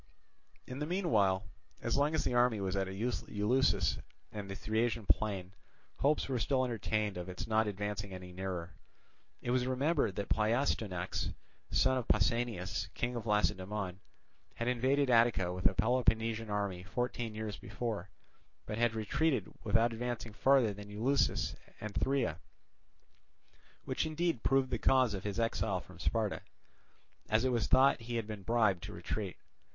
In the meanwhile, as long as the army was at Eleusis and the Thriasian plain, hopes were still entertained of its not advancing any nearer. It was remembered that Pleistoanax, son of Pausanias, king of Lacedaemon, had invaded Attica with a Peloponnesian army fourteen years before, but had retreated without advancing farther than Eleusis and Thria, which indeed proved the cause of his exile from Sparta, as it was thought he had been bribed to retreat.